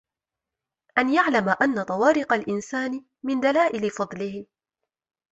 أَنْ يَعْلَمَ أَنَّ طَوَارِقَ الْإِنْسَانِ مِنْ دَلَائِلِ فَضْلِهِ